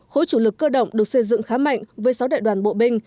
khối chủ lực cơ động được xây dựng khá mạnh với sáu đại đoàn bộ binh